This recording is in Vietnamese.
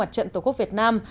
trận tổ quốc việt nam